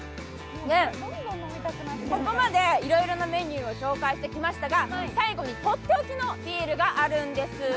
ここまでいろいろなメニューを紹介してきましたが、最後にとっておきのビールがあるんです。